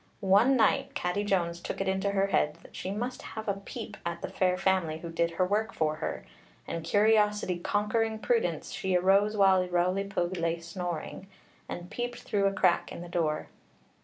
One night Catti Jones took it into her head that she must have a peep at the fair family who did her work for her; and curiosity conquering prudence, she arose while Rowli Pugh lay snoring, and peeped through a crack in the door.